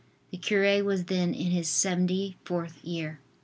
The cure was then in his seventy fourth year.